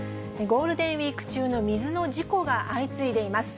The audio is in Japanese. ゴールデンウィーク中の水の事故が相次いでいます。